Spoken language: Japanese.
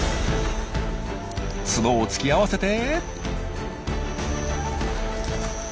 角を突き合わせて。